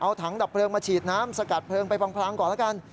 เอาถังดับเพลิงมาฉีดน้ำสกัดเพลิงไปพังก่อนละกัน